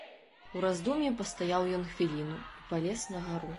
У раздум'і пастаяў ён хвіліну і палез на гару.